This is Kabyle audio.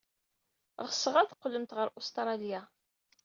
Ɣseɣ ad teqqlemt ɣer Ustṛalya.